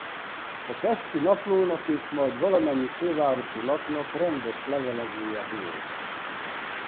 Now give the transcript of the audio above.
A Pesti Naplónak és majd valamennyi fővárosi lapnak rendes levelezője volt.